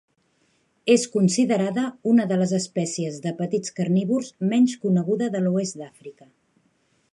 És considerada una les espècies de petits carnívors menys coneguda de l'oest d'Àfrica.